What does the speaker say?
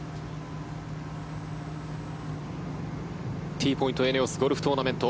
Ｔポイント×ＥＮＥＯＳゴルフトーナメント。